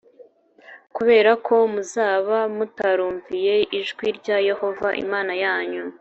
kubera ko muzaba mutarumviye ijwi rya Yehova Imana yanyu